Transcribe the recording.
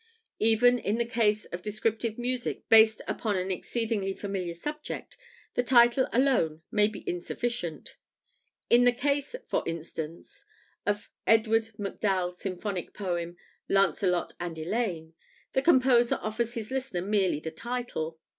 Even in the case of descriptive music based upon an exceedingly familiar subject, the title alone may be insufficient. In the case, for instance, of Edward MacDowell's symphonic poem, "Lancelot and Elaine," the composer offers his listener merely the title.